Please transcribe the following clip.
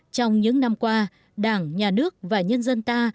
trong những năm qua đảng nhà nước và nhân dân ta